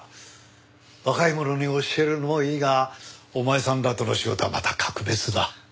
若い者に教えるのもいいがお前さんらとの仕事はまた格別だ。